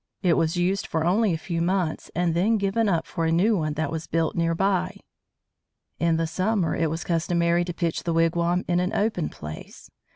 It was used for only a few months, and then given up for a new one that was built near by. In the summer it was customary to pitch the wigwam in an open place.